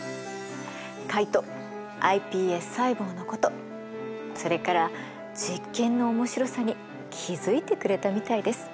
カイトｉＰＳ細胞のことそれから実験の面白さに気付いてくれたみたいです。